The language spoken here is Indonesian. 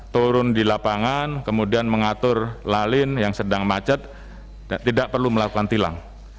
turun di lapangan kemudian mengatur lalin yang sedang macet dan tidak perlu melakukan tilang